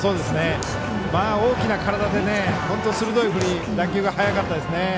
大きな体で本当に鋭い振りで打球が速かったですね。